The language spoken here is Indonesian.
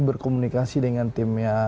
berkomunikasi dengan timnya